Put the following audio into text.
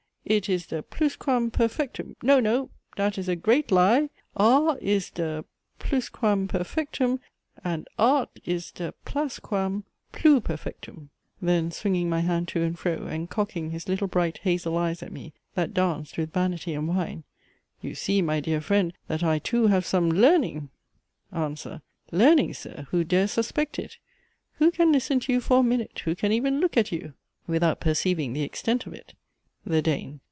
it is dhe plusquam perfectum, no, no dhat is a great lie; are is dhe plusquam perfectum and art is dhe plasquam plue perfectum (then swinging my hand to and fro, and cocking his little bright hazel eyes at me, that danced with vanity and wine) You see, my dear friend that I too have some lehrning? ANSWER. Learning, Sir? Who dares suspect it? Who can listen to you for a minute, who can even look at you, without perceiving the extent of it? THE DANE.